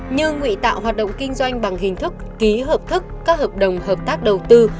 như nguy tạo hoạt động kinh doanh bằng hình thức ký hợp thức các hợp đồng hợp tác đầu tư